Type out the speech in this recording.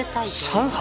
上海？